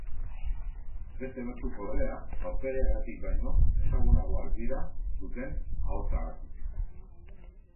Beste batzuk, ordea, aurpegiagatik baino ezagunagoak dira duten ahotsagatik.